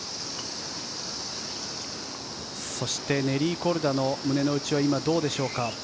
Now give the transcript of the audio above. そして、ネリー・コルダの胸の内は今どうでしょうか。